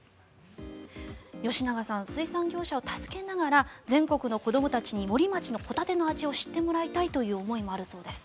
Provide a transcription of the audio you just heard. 吉永さん、水産業者を助けながら全国の子どもたちに森町のホタテの味を知ってもらいたいという思いもあるようです。